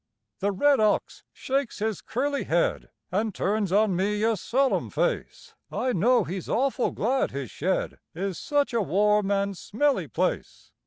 The red ox shakes his curly head, An' turns on me a solemn face; I know he's awful glad his shed Is such a warm and smelly place.